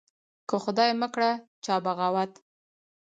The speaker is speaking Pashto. که خدای مکړه چا بغاوت